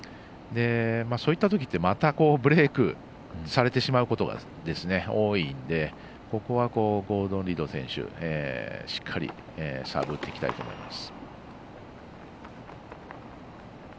そういったときってまたブレークされてしまうことが多いのでここはゴードン・リード選手がしっかりサーブ打っていきたいと思います。